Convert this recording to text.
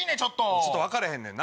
ちょっと分かれへんねんな。